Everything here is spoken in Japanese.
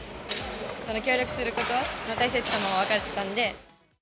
協力することの大切さも分かったんで。